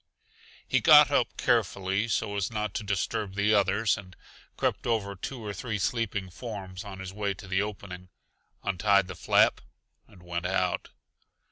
He got up carefully so as not to disturb the others, and crept over two or three sleeping forms on his way to the opening, untied the flap and went out.